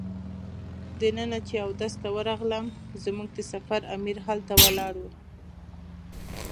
دننه چې اودس ته ورغلم زموږ د سفر امیر هلته ولاړ و.